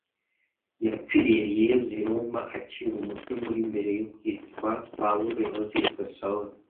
yapfiriye yezu i roma aciwe umutwe muri mbere yo kwitwa paulo yahoze yitwa sawuli